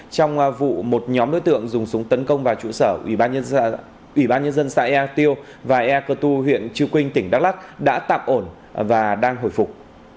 trong vụ một nhóm đối tượng dùng súng tấn công vào trụ sở ủy ban nhân dân xã ea tiêu và ea cơ tu huyện chư quynh tỉnh đắk lắc đã tạm ổn và đang hồi phục